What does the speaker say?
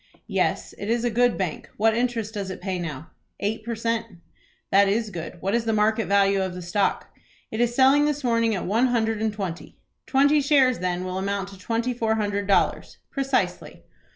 "Yes, it is a good bank. What interest does it pay now?" "Eight per cent." "That is good. What is the market value of the stock?" "It is selling this morning at one hundred and twenty." "Twenty shares then will amount to twenty four hundred dollars." "Precisely."